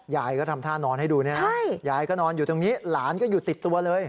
ยายก็ทำท่านอนให้ดูเนี่ยยายก็นอนอยู่ตรงนี้หลานก็อยู่ติดตัวเลย